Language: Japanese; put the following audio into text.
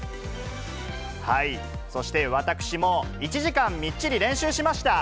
そして私も１時間、みっちり練習しました。